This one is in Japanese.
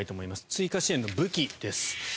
追加支援の武器です。